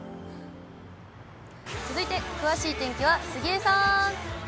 続いて、詳しい天気は杉江さん。